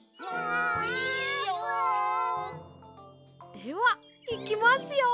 ではいきますよ！